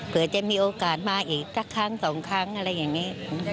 เผื่อจะมีโอกาสมาอีกสักครั้งสองครั้งอะไรอย่างนี้